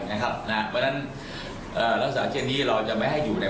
นะครับนะฮะเพราะฉะนั้นเอ่อรักษาเชี่ยนนี้เราจะไม่ให้อยู่ใน